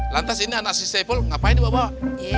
lantas ini anak si sepul ngapain di bawah